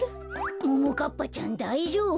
ももかっぱちゃんだいじょうぶ？